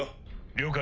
了解。